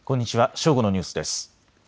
正午のニュースです。